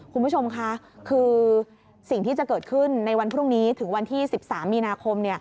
คุณผู้ชมค่ะคือสิ่งที่จะเกิดขึ้นในวันพรุ่งนี้ถึงวันที่๑๓มีนาคม